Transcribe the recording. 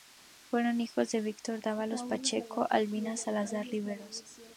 Fueron hijos de Víctor Dávalos Pacheco y Albina Salazar Riveros.